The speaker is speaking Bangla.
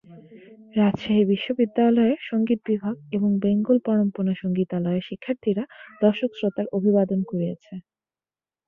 রাজশাহী বিশ্ববিদ্যালয়ের সংগীত বিভাগ এবং বেঙ্গল পরম্পরা সংগীতালয়ের শিক্ষার্থীরা দর্শক-শ্রোতার অভিবাদন কুড়িয়েছে।